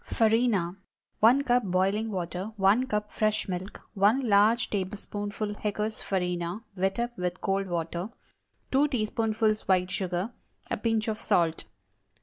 FARINA. ✠ 1 cup boiling water. 1 cup fresh milk. 1 large tablespoonful Hecker's Farina, wet up with cold water. 2 teaspoonfuls white sugar. A pinch of salt.